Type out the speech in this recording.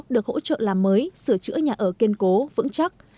được hỗ trợ làm mới sửa chữa nhà ở kiên cố vững chắc